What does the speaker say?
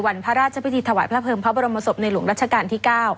พระราชพิธีถวายพระเภิงพระบรมศพในหลวงรัชกาลที่๙